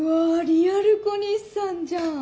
リアル小西さんじゃん。